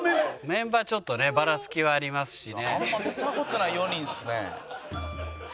メンバーちょっとねばらつきはありますしね。